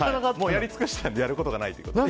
やり尽くしたのでやることがないということで。